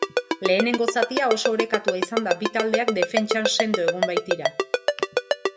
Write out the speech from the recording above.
Lehenengo zatia oso orekatua izan da bi taldeak defentsan sendo egon baitira.